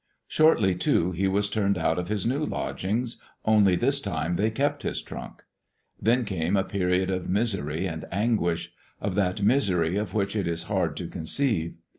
Shortly, too, he was turned out of his new lodgings, only this time they kept his trunk. Then came a period of misery and anguish, of that misery of which it is hard to conceive.